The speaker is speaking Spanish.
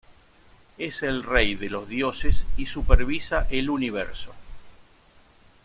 Es el rey de los dioses y supervisa el universo.